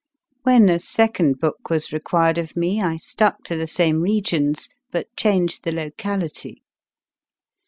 When a second book was required of me, I stuck to the same regions, but changed the locality.